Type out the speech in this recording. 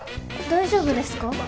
大丈夫ですか？